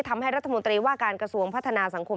ทำให้รัฐมนตรีว่าการกระทรวงพัฒนาสังคม